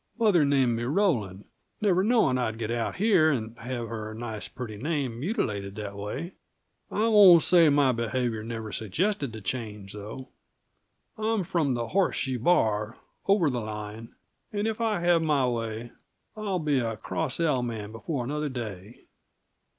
Mother named me Rowland, never knowing I'd get out here and have her nice, pretty name mutilated that way. I won't say that my behavior never suggested the change, though. I'm from the Horseshoe Bar, over the line, and if I have my way, I'll be a Cross L man before another day."